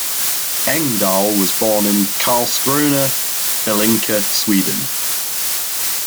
Engdahl was born in Karlskrona, Blekinge, Sweden.